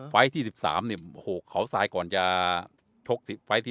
ไฟล์ที่๑๓โหกเขาทรายก่อนจะชกไฟล์ที่๓